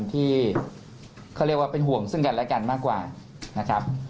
ที่เขาเรียกว่าเป็นห่วงซึ่งกันและกันมากกว่านะครับ